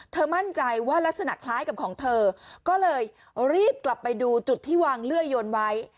มั่นใจว่ารักษณะคล้ายกับของเธอก็เลยรีบกลับไปดูจุดที่วางเลื่อยยนไว้